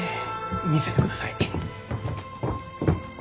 見せてください！